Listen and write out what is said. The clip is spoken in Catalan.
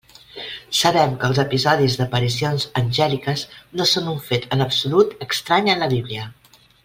Sabem que els episodis d'aparicions angèliques no són un fet en absolut estrany en la Bíblia.